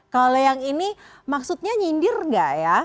kalau yang ini maksudnya nyindir nggak ya